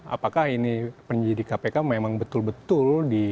apakah ini penyidik kpk memang betul betul di